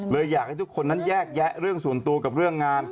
อยากให้ทุกคนนั้นแยกแยะเรื่องส่วนตัวกับเรื่องงาน